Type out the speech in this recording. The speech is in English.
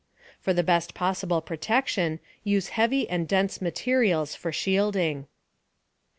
* For the best possible protection, use heavy and dense materials for shielding.